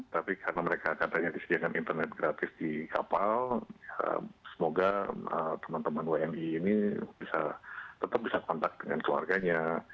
tapi karena mereka katanya disediakan internet gratis di kapal semoga teman teman wni ini bisa tetap bisa kontak dengan keluarganya